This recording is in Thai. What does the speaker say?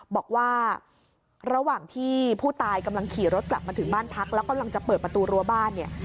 บอกว่าระหว่างที่ผู้ตายกำลังขี่รถกลับมาถึงบ้านพักแล้วกำลังจะเปิดประตูรั้วบ้านเนี่ย